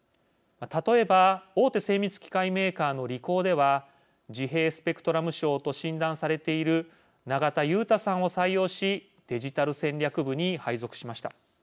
例えば、大手精密機械メーカーのリコーでは自閉スペクトラム症と診断されている永田雄大さんを採用しデジタル戦略部に配属しました。